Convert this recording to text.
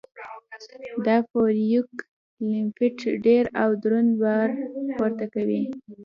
دا فورک لیفټ ډېر او دروند بار پورته کوي.